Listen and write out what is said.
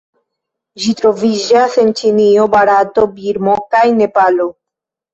Ĝi troviĝas en Ĉinio, Barato, Birmo kaj Nepalo.